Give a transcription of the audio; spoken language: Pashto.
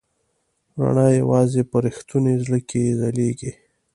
رڼا یواځې په رښتوني زړه کې ځلېږي.